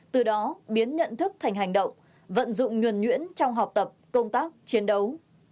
từ đó biến nhận thức thành hành động vận dụng nhuẩn nhuyễn trong học tập công tác chiến đấu